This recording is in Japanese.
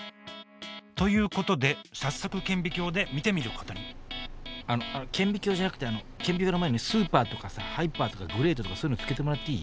ということで早速顕微鏡で見てみることにあの顕微鏡じゃなくて顕微鏡の前にスーパーとかさハイパーとかグレートとかそういうの付けてもらっていい？